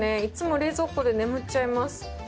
いっつも冷蔵庫で眠っちゃいます。